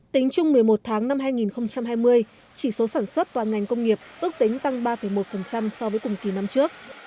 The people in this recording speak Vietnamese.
tính chung một mươi một tháng năm hai nghìn hai mươi chỉ số sản xuất toàn ngành công nghiệp ước tính tăng ba một so với cùng kỳ năm trước